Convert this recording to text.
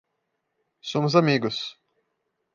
Somos amigos